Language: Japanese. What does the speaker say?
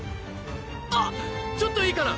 あっちょっといいかな！